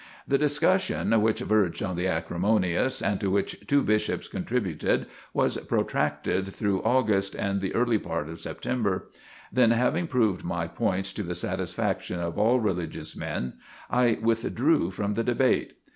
The discussion, which verged on the acrimonious, and to which two bishops contributed, was protracted through August and the earlier part of September. Then, having proved my points to the satisfaction of all religious men, I withdrew from the debate.